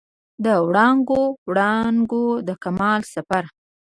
د وړانګو، وړانګو د کمال سفر